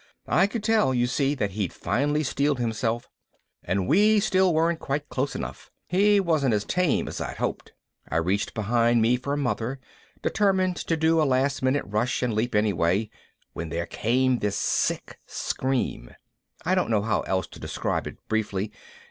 I could tell, you see, that he'd finally steeled himself and we still weren't quite close enough. He wasn't as tame as I'd hoped. I reached behind me for Mother, determined to do a last minute rush and leap anyway, when there came this sick scream. I don't know how else to describe it briefly.